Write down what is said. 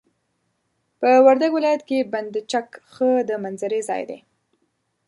په وردګ ولايت کي بند چک ښه د منظرې ځاي دي.